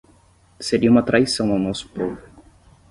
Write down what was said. seria uma traição ao nosso povo